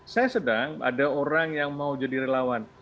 saya sedang ada orang yang mau jadi relawan